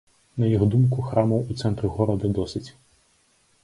На іх думку, храмаў у цэнтры горада досыць.